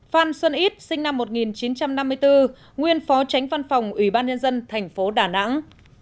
phan xuân ít sinh năm một nghìn chín trăm năm mươi bốn nguyên phó tránh văn phòng ủy ban nhân dân tp đà nẵng